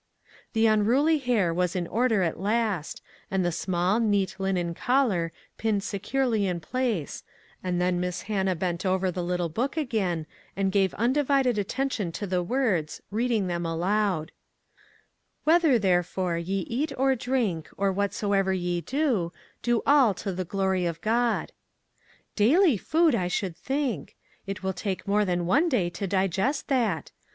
The unruly hair was in order at last, and the small, neat linen collar pinned securely in place, and then Miss Hannah bent over the little book again, and gave undivided attention to the words, reading them aloud: " Whether, therefore, ye eat or drink, or whatsoever ye do, do all to the glory of God." 14 Daily food, I should think ! It will take more than one day to digest that